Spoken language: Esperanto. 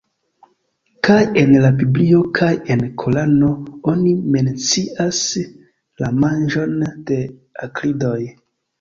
Kaj en la Biblio kaj en Korano oni mencias la manĝon de akridoj.